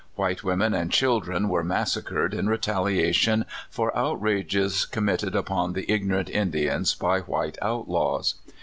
White women and children were massacred in retaliation for outrages committed upon the ignorant Indians by white outlaws.